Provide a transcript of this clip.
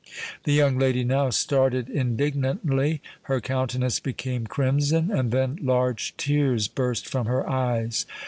The young lady now started indignantly—her countenance became crimson—and then large tears burst from her eyes.